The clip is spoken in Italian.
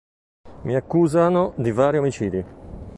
Mi accusano di vari omicidi.